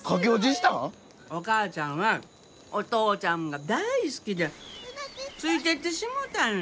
お母ちゃんはお父ちゃんが大好きでついていってしもうたんよ。